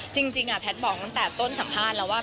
แพทย์บอกตั้งแต่ต้นสัมภาษณ์แล้วว่า